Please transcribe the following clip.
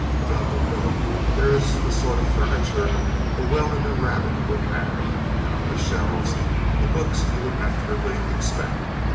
About the room there is the sort of furniture a well to do rabbit would have, and on the shelves the books you would naturally expect.